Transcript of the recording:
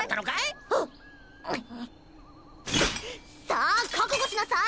さあ覚悟しなさい！